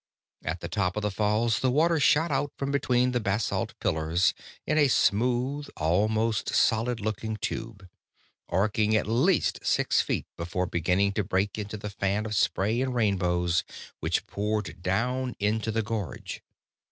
At the top of the falls, the water shot out from between the basalt pillars in a smooth, almost solid looking tube, arching at least six feet before beginning to break into the fan of spray and rainbows which poured down into the gorge.